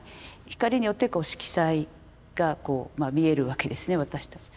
光によって色彩がこう見えるわけですね私たち。